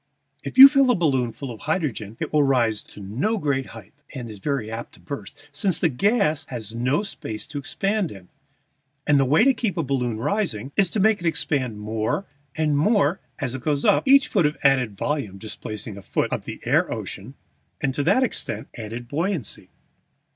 If you fill a balloon full of hydrogen it will rise to no great height (and is very apt to burst), since the gas has no space to expand in, and the way to keep a balloon rising is to make it expand more and more as it goes up, each foot of added volume displacing a foot of the air ocean and to that extent adding buoyancy.